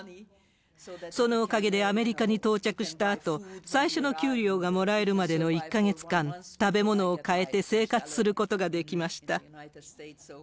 そのおかげでアメリカに到着したあと、最初の給料がもらえるまでの１か月間、食べ物を買えて生活することができました。